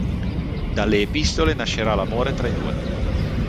Dalle epistole nascerà l'amore tra i due.